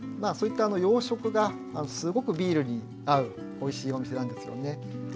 そういった洋食がすごくビールに合うおいしいお店なんですよね。